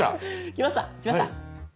きましたきました。